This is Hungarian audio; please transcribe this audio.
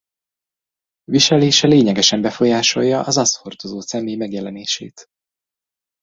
Viselése lényegesen befolyásolja az azt hordozó személy megjelenését.